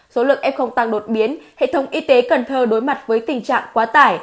số lượng f tăng đột biến hệ thống y tế cần thơ đối mặt với tình trạng quá tải